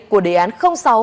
của đề án sáu